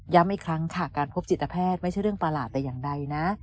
อีกครั้งค่ะการพบจิตแพทย์ไม่ใช่เรื่องประหลาดแต่อย่างใดนะ